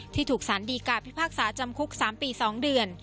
ถูกสารดีกาพิพากษาจำคุก๓ปี๒เดือน